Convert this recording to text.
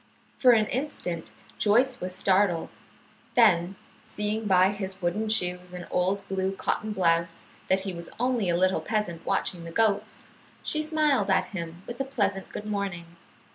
For an instant Joyce was startled; then seeing by his wooden shoes and old blue cotton blouse that he was only a little peasant watching the goats, she smiled at him with a pleasant good morning.